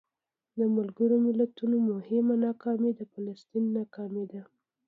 د ملګرو ملتونو مهمه ناکامي د فلسطین ناکامي ده.